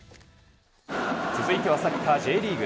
続いては、サッカーＪリーグ。